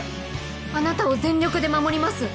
あなたを全力で守ります。